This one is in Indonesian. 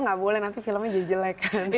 nggak boleh nanti filmnya jadi jelek